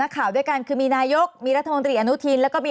เขาเครียดกันทั้งประเทศแล้วนี่